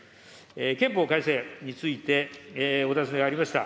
憲法改正についてお尋ねがありました。